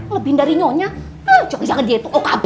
lebih dari nyonya eh jangan jangan dia itu okb